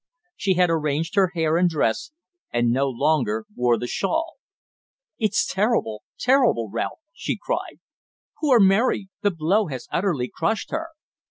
She had arranged her hair and dress, and no longer wore the shawl. "It's terrible terrible, Ralph," she cried. "Poor Mary! The blow has utterly crushed her."